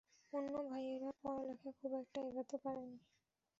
অন্য ভাইয়েরা পড়ালেখা খুব একটা এগোতে পারেনি।